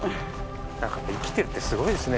なんか、生きているってすごいですね。